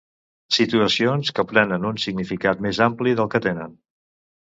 situacions que prenen un significat més ampli del que tenen